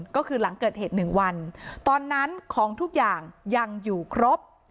ก็คือหลังเกิดเหตุ๑วันตอนนั้นของทุกอย่างยังอยู่ครบ